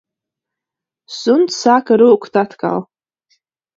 Suns sāka rūkt atkal.